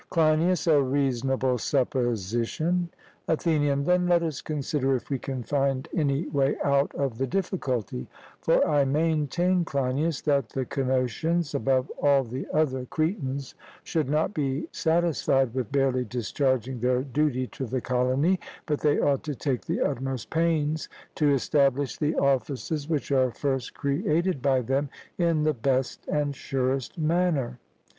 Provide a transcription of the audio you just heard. CLEINIAS: A reasonable supposition. ATHENIAN: Then let us consider if we can find any way out of the difficulty; for I maintain, Cleinias, that the Cnosians, above all the other Cretans, should not be satisfied with barely discharging their duty to the colony, but they ought to take the utmost pains to establish the offices which are first created by them in the best and surest manner.